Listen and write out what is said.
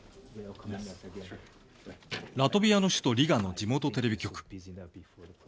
ラトビアの首都リガの地元テレビ局。